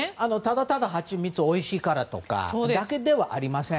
ただハチミツがおいしいからだけではありません。